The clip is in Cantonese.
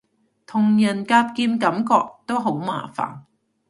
同人格劍感覺都好麻煩